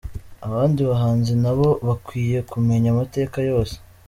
Abandi bahanzi na bo bakwiye kumenya amateka yose.